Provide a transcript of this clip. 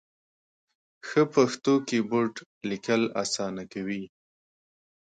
ښه پښتو کېبورډ ، لیکل اسانه کوي.